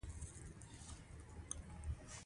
پکولونه او توپکونو د ابشارو د عامه وژنې یادونه راسپړله.